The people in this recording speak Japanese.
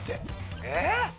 えっ？